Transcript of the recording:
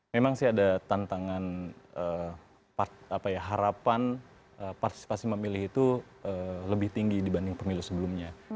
memang sih ada tantangan harapan partisipasi memilih itu lebih tinggi dibanding pemilu sebelumnya